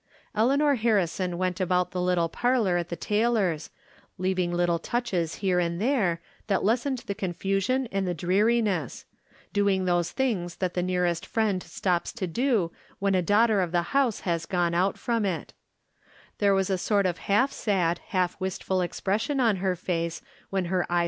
Eleanor Harrison went about the little parlor at the Taylors', leaving little touches here and there, that lessened the confusion and the dreari ness; doing those things that the nearest 'friend stops to do when a daughter of the house has gone out from it^ There was a sort of half sad, half wistful expression on her face, when her eye 374 From Different Standpoints.